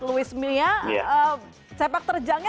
louis mia cepak terjangnya